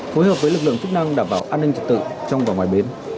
phối hợp với lực lượng chức năng đảm bảo an ninh trật tự trong và ngoài bến